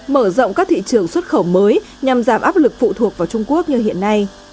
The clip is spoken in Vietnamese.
mở rộng các thị trường xuất khẩu mới nhằm giảm áp lực phụ thuộc vào trung quốc như hiện nay